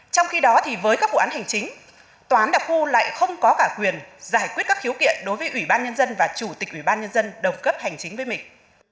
trong khi đó với các vụ án hành chính tòa án đặc khu lại không có cả quyền giải quyết các khiếu kiện đối với ủy ban nhân dân và chủ tịch ủy ban nhân dân đồng cấp hành chính với mình